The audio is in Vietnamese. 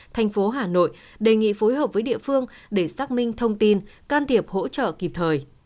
thành phố hà nội đề nghị phối hợp với địa phương để xác minh thông tin can thiệp hỗ trợ kịp thời